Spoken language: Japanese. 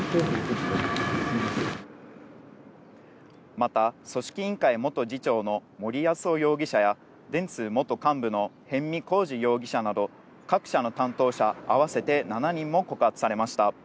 また組織委員会元次長の森泰夫容疑者や電通元幹部の逸見晃治容疑者など各社の担当者合わせて７人も告発されました。